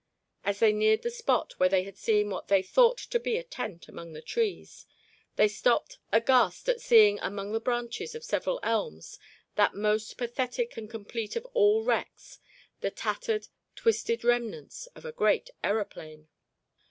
As they neared the spot where they had seen what they thought to be a tent among the trees, they stopped aghast at seeing among the branches of several elms that most pathetic and complete of all wrecks, the tattered, twisted remnants of a great aeroplane.